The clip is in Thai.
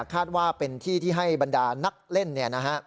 คาดว่าเป็นที่ที่ให้บรรดานักเล่นเนี่ยนะฮะ